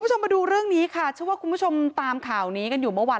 คุณผู้ชมมาดูเรื่องนี้ค่ะเชื่อว่าคุณผู้ชมตามข่าวนี้กันอยู่เมื่อวาน